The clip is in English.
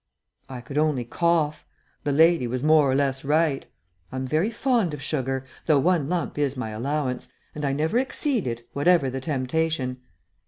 I could only cough. The lady was more or less right. I am very fond of sugar, though one lump is my allowance, and I never exceed it, whatever the temptation.